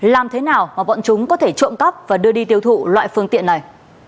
làm thế nào mà bọn chúng có thể trộm cắp và đưa đi tiêu thụ loại phương tiện này